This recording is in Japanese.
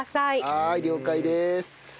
はーい了解です。